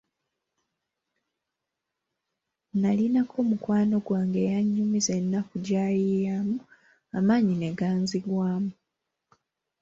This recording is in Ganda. Nnalinako mukwano gwange eyanyumiza ennaku gy'ayiyamu amaanyi ne ganzigwamu.